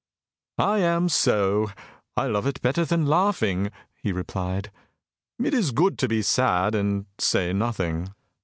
"I am so; I love it better than laughing," he replied. "It is good to be sad and say nothing."